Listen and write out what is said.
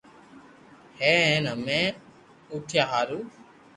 ھي ھين ھمي اوٺيا ھارو